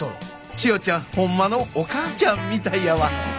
千代ちゃんほんまのお母ちゃんみたいやわ。